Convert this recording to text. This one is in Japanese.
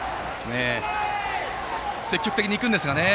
積極的に行くんですがね。